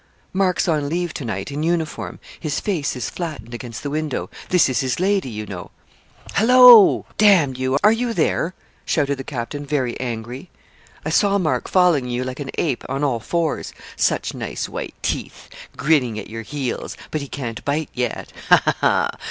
'Mark's on leave to night, in uniform; his face is flattened against the window. This is his lady, you know.' 'Hallo! D you are you there?' shouted the captain, very angry. 'I saw Mark following you like an ape, on all fours; such nice white teeth! grinning at your heels. But he can't bite yet ha, ha, ha!